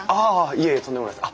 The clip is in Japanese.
いえとんでもないです。